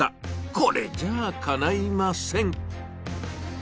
これじゃあ、かないません。